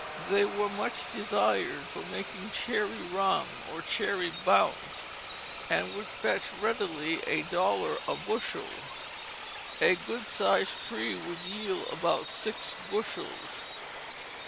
They were much desired for making cherry rum or cherry bounce, and would fetch readily a dollar a bushel. A good sized tree would yield about six bushels.